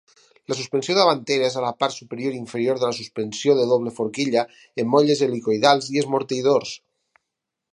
La suspensió davantera és a la part superior i inferior de la suspensió de doble forquilla amb molles helicoïdals i esmorteïdors.